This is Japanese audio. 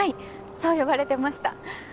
そう呼ばれてました。